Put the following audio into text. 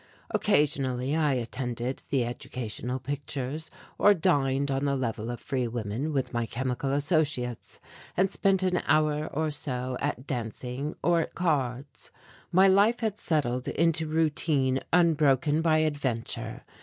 Occasionally I attended the educational pictures or dined on the Level of Free Women with my chemical associates and spent an hour or so at dancing or at cards. My life had settled into routine unbroken by adventure.